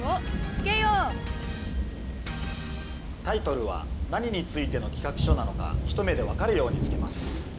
タイトルは何についての企画書なのか一目でわかるようにつけます。